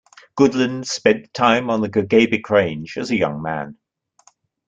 Goodland spent time on the Gogebic Range as a young man.